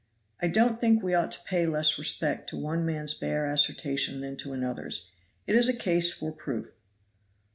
"I don't think we ought to pay less respect to one man's bare assertion than to another's. It is a case for proof."